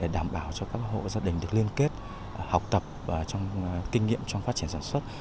đảm bảo cho các hộ gia đình được liên kết học tập kinh nghiệm trong phát triển sản xuất